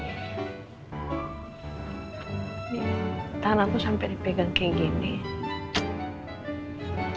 nih tahan aku sampai dipegang kayak gini